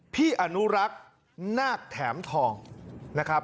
พี่อนุรักษ์นาคแถมทองนะครับ